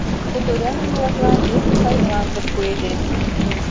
Хуторянин-влаклан эн сай мландым пуэден.